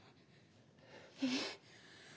えっ。